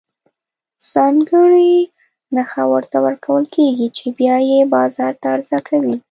ځانګړې نښه ورته ورکول کېږي چې بیا یې بازار ته عرضه کوي.